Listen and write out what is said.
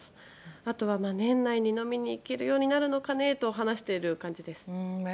あと、年内に飲みに行けるのかなと話している感じです。